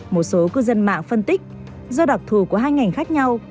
một số cư dân mạng phân tích do đặc thù của hai ngành khác nhau